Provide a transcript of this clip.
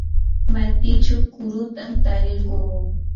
matichaw kurutam tarirquu.